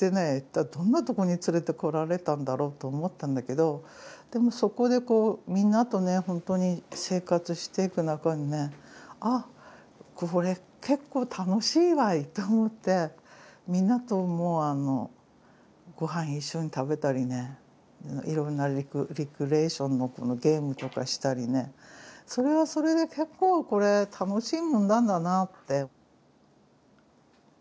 どんなところに連れてこられたんだろうと思ったんだけどでもそこでみんなとねほんとに生活していく中にねあっこれ結構楽しいわいと思ってみんなとごはん一緒に食べたりねいろんなレクリエーションのゲームとかしたりねそれはそれで結構これ楽しいもんなんだなって。